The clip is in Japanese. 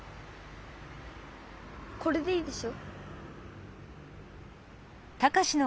これでいいでしょ？